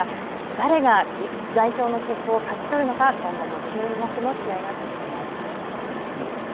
誰が代表の切符を勝ち取るのか、今後も注目の試合が続きます。